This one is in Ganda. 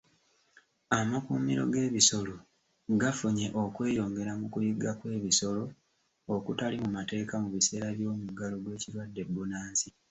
Amakuumiro g'ebisolo gafunye okweyongera mu kuyigga kw'ebisolo okutali mu mateeka mu biseera by'omuggalo gw'ekirwadde bbunansi.